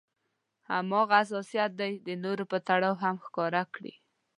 هماغه حساسيت دې د نورو په تړاو هم ښکاره کړي.